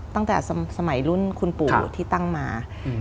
ตั้งแต่สมัยรุ่นคุณปู่ที่ตั้งมา